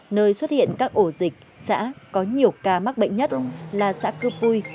nơi xuất hiện các ổ dịch xã có nhiều ca mắc bệnh nhất là xã cư pui